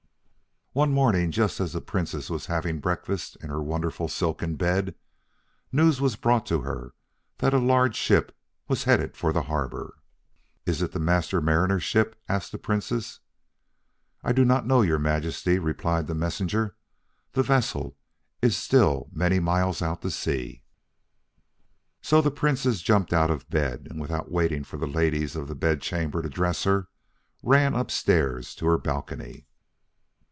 One morning, just as the Princess was having breakfast in her wonderful silken bed, news was brought to her that a large ship was headed for the harbor. "Is it the Master Mariner's ship?" asked the Princess. "I do not know, Your Majesty," replied the messenger. "The vessel is still many miles out to sea." So the Princess jumped out of bed, and without waiting for the ladies of the bedchamber to dress her, ran upstairs to her balcony.